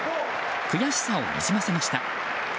悔しさをにじませました。